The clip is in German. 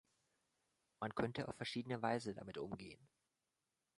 Man könnte auf verschiedene Weise damit umgehen.